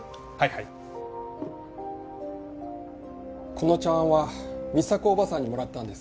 この茶碗は美沙子おばさんにもらったんです。